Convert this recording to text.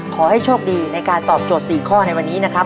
ขอให้โชคดีในการตอบโจทย์๔ข้อในวันนี้นะครับ